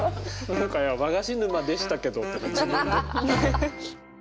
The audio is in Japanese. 今回は「和菓子沼」でしたけどとか自分で。